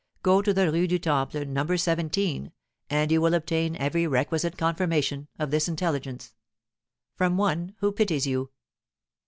Go to the Rue du Temple, No. 17, and you will obtain every requisite confirmation of this intelligence. "FROM ONE WHO PITIES YOU."